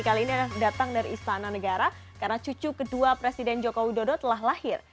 kali ini akan datang dari istana negara karena cucu kedua presiden joko widodo telah lahir